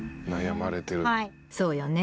そうよね